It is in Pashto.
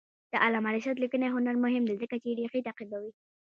د علامه رشاد لیکنی هنر مهم دی ځکه چې ریښې تعقیبوي.